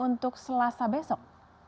untuk selasa besok